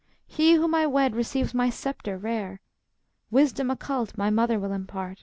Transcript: He whom I wed receives my sceptre rare. Wisdom occult my mother will impart.